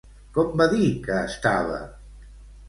Com va dir que estava?